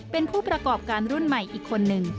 เป็นผู้ประกอบการรุ่นใหม่อีกคนนึง